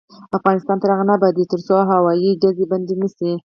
افغانستان تر هغو نه ابادیږي، ترڅو هوایي ډزې بندې نشي.